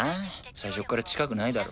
最初っから近くないだろ。